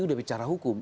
udah bicara hukum